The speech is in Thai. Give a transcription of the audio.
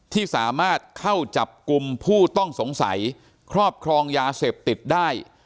ที่สามารถเข้าจับกลุ่มผู้ต้องสงสัยครอบครองยาเสพติดได้